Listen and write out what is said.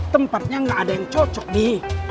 tempatnya nggak ada yang cocok nih